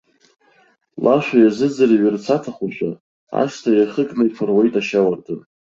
Лашәа иазыӡырҩырц аҭахушәа, ашҭа иахыкны иԥыруеит ашьауардын.